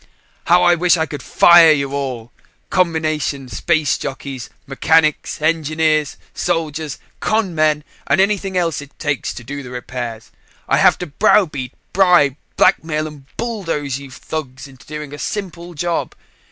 "How I wish I could fire you all! Combination space jockeys, mechanics, engineers, soldiers, con men and anything else it takes to do the repairs. I have to browbeat, bribe, blackmail and bulldoze you thugs into doing a simple job.